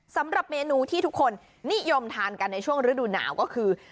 สำหรับเมนูที่ทุกคนนิยมทานกันในช่วงฤดูหนาวก็คือ